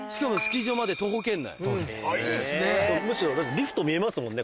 リフト見えますもんね